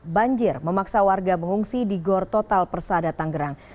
banjir memaksa warga mengungsi di gor total persada tanggerang